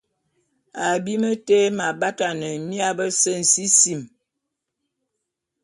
Abim té m’abatane mia bese nsisim.